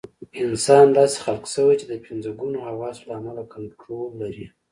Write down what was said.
انسان داسې خلق شوی چې د پنځه ګونو حواسو له امله کنټرول لري.